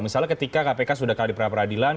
misalnya ketika kpk sudah kembali di peradilan